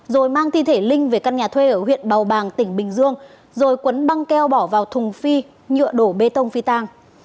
rồi mang thi thể linh về căn nhà thuê ở huyện bào bàng tỉnh bình dương rồi quấn băng keo bỏ vào thùng phi nhựa đổ bê tông phi tang